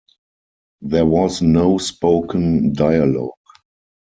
There was no spoken dialog.